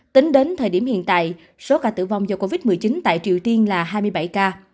tính đến thời điểm hiện tại số ca tử vong do covid một mươi chín tại triều tiên là hai mươi bảy ca